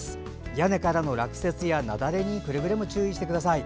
屋根からの落雪や雪崩にくれぐれも注意してください。